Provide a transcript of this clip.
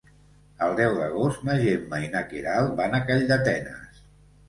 El deu d'agost na Gemma i na Queralt van a Calldetenes.